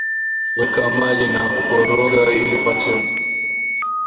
weka maji na kukoroga iliupate uji